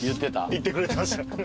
言ってくれてました。